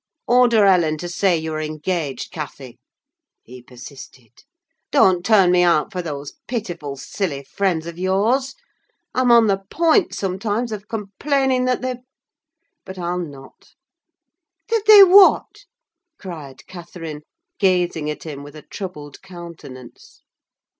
"Order Ellen to say you are engaged, Cathy," he persisted; "don't turn me out for those pitiful, silly friends of yours! I'm on the point, sometimes, of complaining that they—but I'll not—" "That they what?" cried Catherine, gazing at him with a troubled countenance.